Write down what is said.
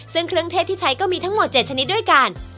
ซึ่งเครื่องเทศที่ใช้ก็มีทั้งหมด๗ชนิดด้วยกัน